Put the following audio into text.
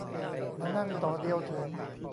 มันนั่งต่อเดียวถึง